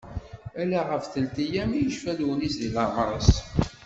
Ala ɣef telt-yyam i yecfa Lewnis deg leɛmer-is.